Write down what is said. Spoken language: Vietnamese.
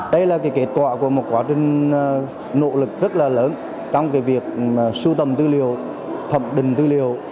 đây là kết quả của một quá trình nỗ lực rất là lớn trong việc sưu tầm tư liệu thẩm định tư liệu